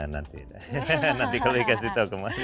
nanti nanti kalau dikasih tau kemari